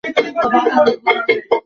ফেলে দিয়েছি ওটাকে!